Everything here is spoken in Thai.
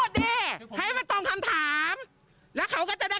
แถไปแถมาอย่างไร